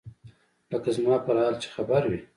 لکه زما پر حال چې خبر وي.